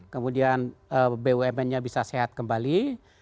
kemudian bumn nya bisa sehat kembali